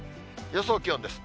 予想気温です。